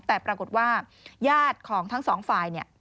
แต่ปรากฏว่าญาติของทั้งสองฝ่ายเนี่ย